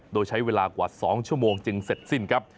โดยใช้เวลากว่า๒ชั่วโมงจึงเสร็จสิ้นครับ